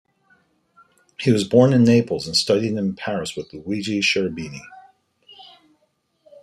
He was born in Naples and studied in Paris with Luigi Cherubini.